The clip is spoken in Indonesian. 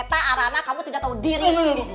eta arana kamu tidak tau diri